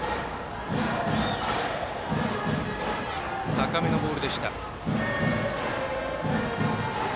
高めのボールでした。